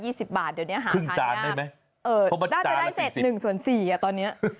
เดี๋ยวนี้หาทานยากครึ่งจานได้ไหมน่าจะได้เสร็จ๑ส่วน๔ตอนนี้